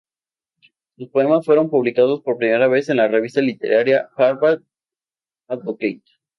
Sus poemas fueron publicados por primera vez en la revista literaria Harvard Advocate.